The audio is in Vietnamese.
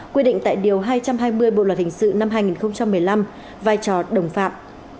quy định tại điều hai trăm hai mươi bộ luật hình sự năm hai nghìn một mươi năm vai trò đồng phạm